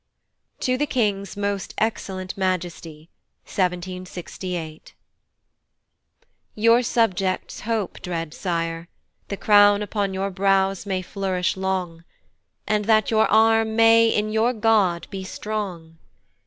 TO THE KING'S MOST EXCELLENT MAJESTY. 1768. YOUR subjects hope, dread Sire The crown upon your brows may flourish long, And that your arm may in your God be strong!